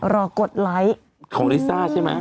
กดไลค์ของลิซ่าใช่ไหม